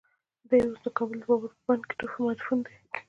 دی اوس د کابل د بابر په بڼ کې مدفون دی.